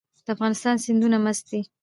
د افغانستان سیندونه مست دي